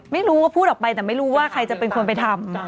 ไม่รู้ว่าพูดออกไปแต่ไม่รู้ว่าใครจะเป็นคนไปทำ